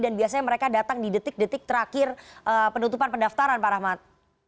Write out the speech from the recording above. dan biasanya mereka datang di detik detik terakhir penutupan pendaftaran pak rahmat